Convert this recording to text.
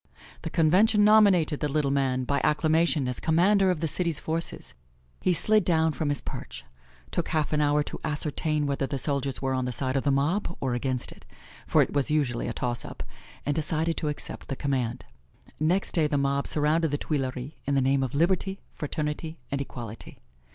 The Convention nominated the little man by acclamation as commander of the city's forces. He slid down from his perch, took half an hour to ascertain whether the soldiers were on the side of the mob or against it for it was usually a toss up and decided to accept the command. Next day the mob surrounded the Tuileries in the name of Liberty, Fraternity and Equality.